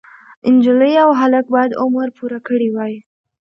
نجلۍ او هلک باید عمر پوره کړی وای.